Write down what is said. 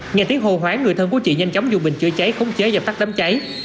nghe tiếng hồ hoáng người thân của chị nhanh chóng dùng bình chữa cháy khống chế và tắt đấm cháy